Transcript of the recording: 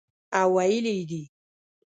او ویلي یې دي